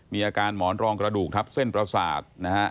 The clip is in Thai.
มีอาการหมอนรองกระดูกทับเส้นประสาท